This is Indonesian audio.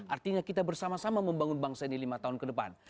artinya kita bersama sama membangun bangsa ini lima tahun ke depan